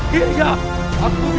kau tidak ikut